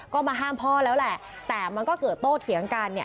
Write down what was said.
ก็มาห้ามพ่อแล้วแหละแต่มันก็เกิดโต้เถียงกันเนี่ย